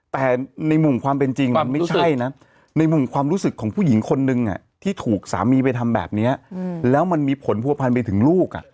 แต่ในมุมความเป็นจริงมันไม่ใช่นะในมุมความรู้สึกของผู้หญิงคนนึงที่ถูกสามีไปทำแบบนี้แล้วมันมีผลผัวพันไปถึงลูก